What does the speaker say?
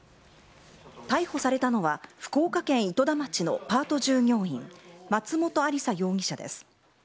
逮捕されたのは、福岡県糸田町のパート従業員、松本亜里沙容疑者です。